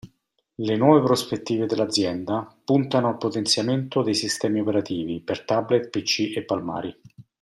Le nuove prospettive dell'azienda puntano al potenziamento dei sistemi operativi per tablet pc e palmari.